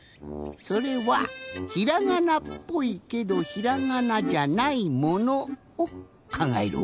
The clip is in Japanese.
それはひらがなっぽいけどひらがなじゃないものをかんがえるおあそびじゃ。